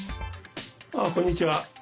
ああこんにちは。